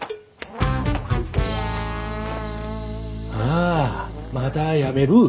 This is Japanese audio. ああまた辞める？